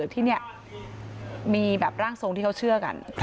ที่นี่มีแบบร่างทรงที่เขาเชื่อกัน